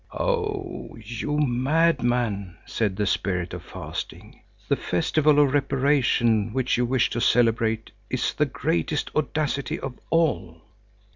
"Oh, you madman," said the Spirit of Fasting, "the festival of reparation which you wish to celebrate is the greatest audacity of all."